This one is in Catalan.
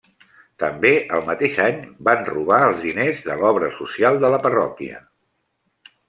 També el mateix any van robar els diners de l'Obra Social de la parròquia.